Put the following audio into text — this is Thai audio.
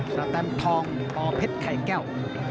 สตรัมทองต่อเพชรไข่แก้ว